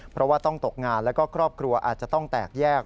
เพราะว่าต้องตกงานแล้วก็ครอบครัวอาจจะต้องแตกแยก